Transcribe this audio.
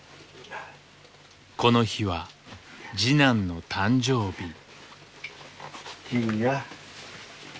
この日は次男の誕生日。